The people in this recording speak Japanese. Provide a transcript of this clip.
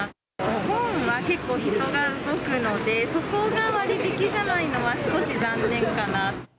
お盆は結構人が動くので、そこが割引じゃないのは、少し残念かな。